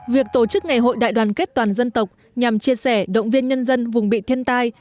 việc tổ chức ngày hội đại đoàn kết toàn dân tộc nhằm chia sẻ động viên nhân dân vùng bị thiên tai